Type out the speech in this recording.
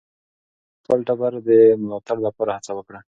هغه د خپل ټبر د ملاتړ لپاره هڅه وکړه.